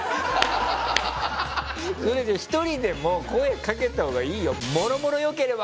それじゃ１人でも声かけた方がいいよ。